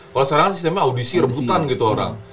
kalau sekarang kan sistemnya audisi rebutan gitu orang